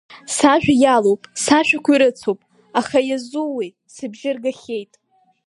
Сажәа иалоуп, сашәақәа ирыцуп, аха, иазууеи, сыбжа ргахьеит.